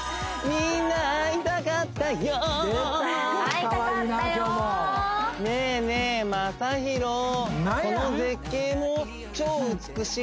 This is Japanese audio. みんな会いたかったよお何や！